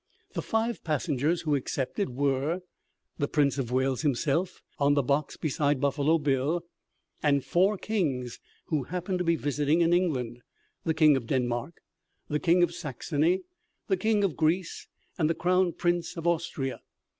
The five passengers who accepted were the Prince of Wales himself on the box beside Buffalo Bill, and four kings who happened to be visiting in England the King of Denmark, the King of Saxony, the King of Greece, and the Crown Prince of Austria.